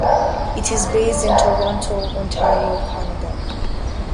It is based in Toronto, Ontario, Canada.